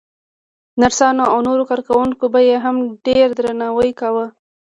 نرسانو او نورو کارکوونکو به يې هم ډېر درناوی کاوه.